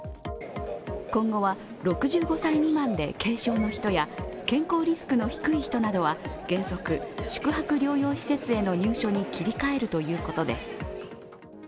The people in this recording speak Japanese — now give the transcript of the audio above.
今後は６５歳未満で軽症の人や健康リスクの低い人などは原則、宿泊療養者向け施設への入所に切り替えるということです。